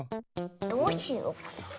どうしようかな。